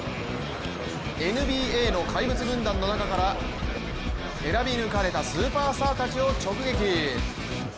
ＮＢＡの怪物軍団の中から選び抜かれたスーパースターたちを直撃。